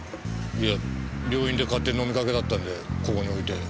いや病院で買って飲みかけだったんでここに置いて。